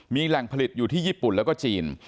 มีแหล่งผลิตอยู่ที่ญี่ปุ่นแล้วก็จีน